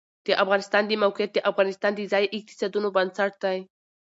د افغانستان د موقعیت د افغانستان د ځایي اقتصادونو بنسټ دی.